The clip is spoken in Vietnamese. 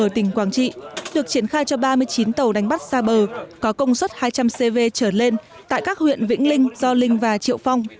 tỉnh quảng trị được triển khai cho ba mươi chín tàu đánh bắt xa bờ có công suất hai trăm linh cv trở lên tại các huyện vĩnh linh do linh và triệu phong